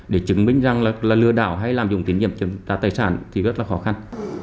để chứng minh rằng là lừa đảo hay lạm dụng tín nhiệm chiếm trả tài sản thì rất là khó khăn